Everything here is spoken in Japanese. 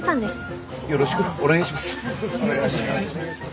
よろしくお願いします。